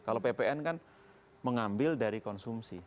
kalau ppn kan mengambil dari konsumsi